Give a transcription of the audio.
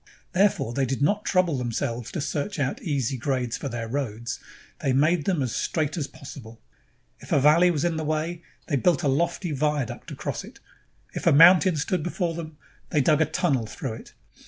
Therefore they did not trouble them selves to search out easy grades for their roads; they made them as straight as possible. If a valley was in the way, they built a lofty viaduct across it. If a mountain stood before them, they dug a tunnel through it.